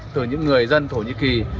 từ những người dân thổ nhĩ kỳ